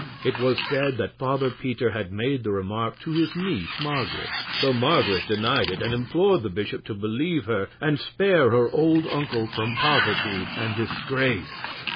It was said that Father Peter had made the remark to his niece, Marget, though Marget denied it and implored the bishop to believe her and spare her old uncle from poverty and disgrace.